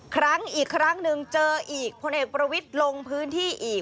ครั้งอีกครั้งหนึ่งเจออีกพลเอกประวิทย์ลงพื้นที่อีก